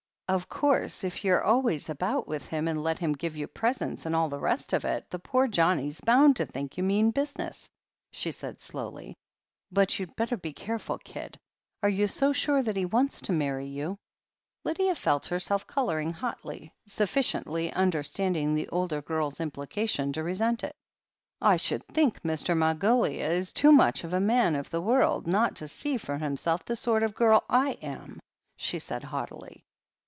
"Of course, if you're always about with him and let him give you presents and all the rest of it, the poor Johnnie's bound to think you mean business," she said slowly. "But you'd better be careful, kid. Are you so sure that he wants to marry you?" Lydia felt herself colouring hotly, sufficiently under standing the older girl's implication to resent it. "I should think Mr. Margoliouth is too much of a man of the world not to see for himself the sort of girl / am," she said haughtily.